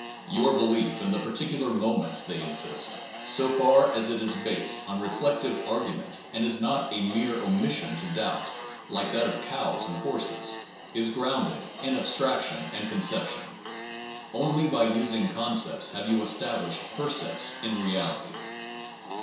Your belief in the particular moments, they insist, so far as it is based on reflective argu 110 PERCEPT AND CONCEPT ment (and is not a mere omission to doubt, like that of cows and horses) is grounded in abstrac tion and conception. Only by using concepts have you established percepts in reality.